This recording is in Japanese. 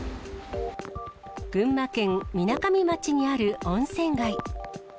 群馬県みなかみ町にある温泉街。